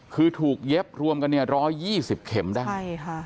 คือถูกเย็บรวมกัน๑๒๐เข็มด้าน